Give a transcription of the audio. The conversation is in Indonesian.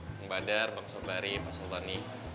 bambadar bang sobari pak sultan